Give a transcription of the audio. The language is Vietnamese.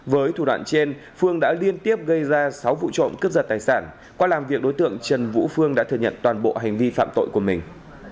với thủ đoạn trên phương đã liên tiếp gây ra sáu vụ trộm cướp giật tài sản qua làm việc đối tượng trần vũ phương đã thừa nhận toàn bộ hành vi phạm tội của mình